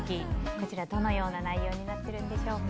こちら、どのような内容になっているのでしょうか。